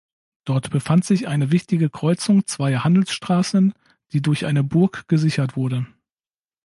Dort befand sich eine wichtige Kreuzung zweier Handelsstraßen, die durch eine Burg gesichert wurde.